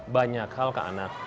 banyak hal ke anak